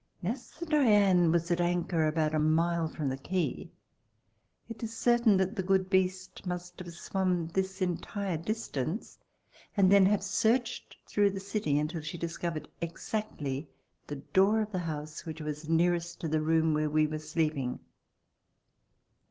As the Diane" was at anchor about a mile from the quay, it is certain that the good beast must have swum this entire distance and then have searched through the city until she discovered exactly the door of the house which was nearest to the room where we were sleeping.